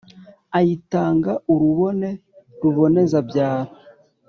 Ayitanga urubone Ruboneza-byaro,